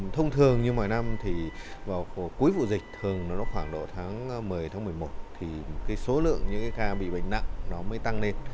thông thường như mọi năm thì vào cuối vụ dịch thường khoảng độ tháng một mươi tháng một mươi một thì số lượng những ca bị bệnh nặng nó mới tăng lên